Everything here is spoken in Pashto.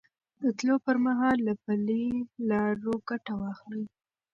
د تلو پر مهال له پلي لارو ګټه واخلئ.